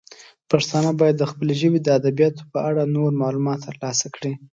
پښتانه باید د خپلې ژبې د ادبیاتو په اړه نور معلومات ترلاسه کړي.